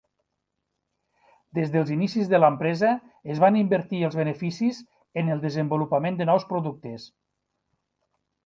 Des dels inicis de l'empresa, es van invertir els beneficis en el desenvolupament de nous productes.